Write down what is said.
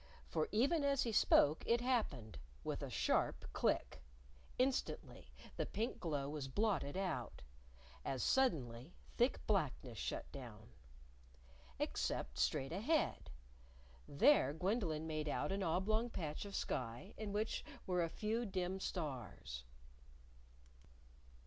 For even as he spoke it happened with a sharp click. Instantly the pink glow was blotted out. As suddenly thick blackness shut down. Except straight ahead! There Gwendolyn made out an oblong patch of sky in which were a few dim stars.